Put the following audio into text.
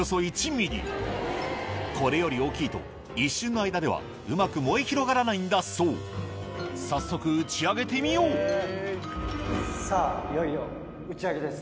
これより大きいと一瞬の間ではうまく燃え広がらないんだそう早速打ち上げてみようさぁいよいよ打ち上げです。